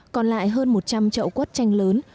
còn lại hơn một trăm linh trậu quất tranh lớn